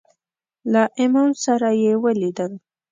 له امام سره یې ولیدل.